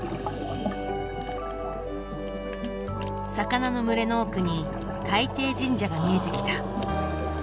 魚の群れの奥に海底神社が見えてきた。